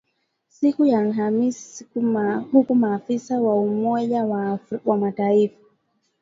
siku ya Alhamis huku maafisa wa Umoja wa Mataifa